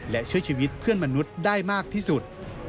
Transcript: และช่วยชีวิตเพื่อนมนุษย์ได้มากที่สุด